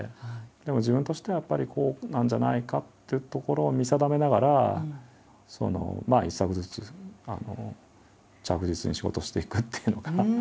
でも自分としてはやっぱりこうなんじゃないかっていうところを見定めながら一作ずつ着実に仕事していくっていうのが。